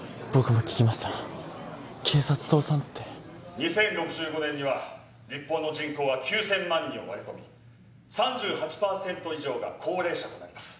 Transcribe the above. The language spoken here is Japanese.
２０６５年には日本の人口は９，０００万人を割り込み３８％以上が高齢者となります。